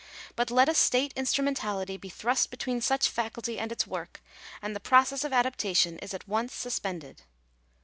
But let a state instrumentality be thrust between such faculty and its work, and the process of adaptation is at once suspended.